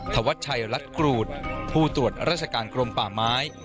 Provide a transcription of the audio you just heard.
ธวัชชัยรัฐกรูดผู้ตรวจราชการกรมป่าไม้